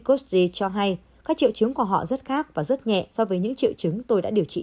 cosgy cho hay các triệu chứng của họ rất khác và rất nhẹ so với những triệu chứng tôi đã điều trị